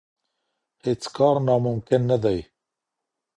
هيڅ کار ناممکن نه دی.